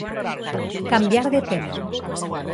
Cambiar de tema.